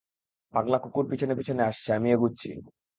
পাগলা কুকুর পিছনে-পিছনে আসছে, আমি এগুচ্ছি।